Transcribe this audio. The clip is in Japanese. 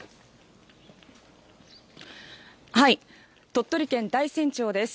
はい、鳥取県大山町です。